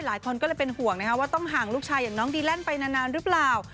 หลายคนก็เลยเป็นห่วงว่าต้องห่างลูกชายอย่างน้องดีแลนด์ไปนานหรือเปล่า